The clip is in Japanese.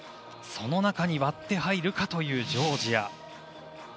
その中に割って入るかというジョージア。